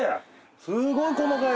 すごい細かい。